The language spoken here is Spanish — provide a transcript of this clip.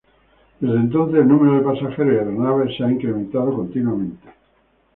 Desde entonces el número de pasajeros y aeronaves se ha incrementado continuamente.